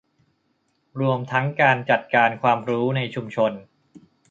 รวมทั้งการจัดการความรู้ในชุมชน